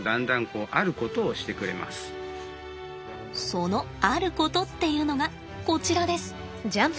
そのあることっていうのがこちらです。